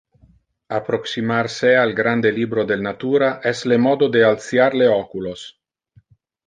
Approximar se al grande libro del natura es le modo de altiar le oculos.